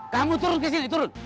kamu turun kesini turun